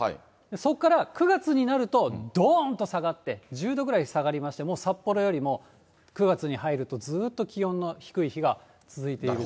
そこから９月になると、どーんと下がって１０度ぐらい下がりまして、もう札幌よりも９月に入るとずっと気温の低い日が続いていると。